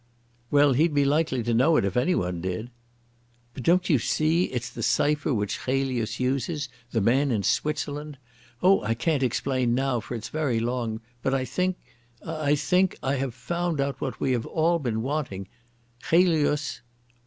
"Well, he'd be likely to know it if anyone did." "But don't you see it's the cipher which Chelius uses—the man in Switzerland? Oh, I can't explain now, for it's very long, but I think—I think—I have found out what we have all been wanting. Chelius...."